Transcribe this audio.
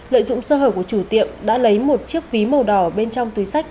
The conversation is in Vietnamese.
lợi dụng sơ hở của chủ tiệm đã lấy một chiếc ví màu đỏ bên trong túi sách